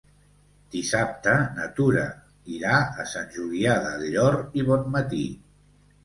Dissabte na Tura irà a Sant Julià del Llor i Bonmatí.